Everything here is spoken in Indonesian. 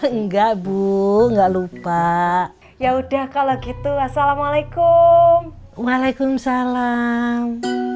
enggak bu enggak lupa ya udah kalau gitu assalamualaikum waalaikumsalam